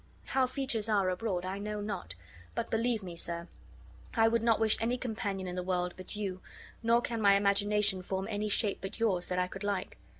How features are abroad, I know not: but, believe me, sir, I would not wish any companion in the world but you, nor can my imagination form any shape but yours that I could like.